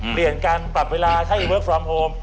เปลี่ยนการปรับเวลาให้เวิร์คฟรอมโฮม